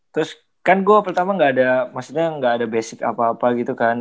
terus kan gue pertama gak ada maksudnya nggak ada basic apa apa gitu kan